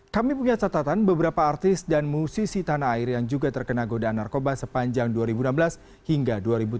kami punya catatan beberapa artis dan musisi tanah air yang juga terkena godaan narkoba sepanjang dua ribu enam belas hingga dua ribu tujuh belas